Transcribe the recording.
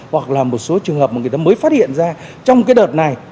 hoặc là một số trường hợp mà người ta mới phát hiện ra trong cái đợt này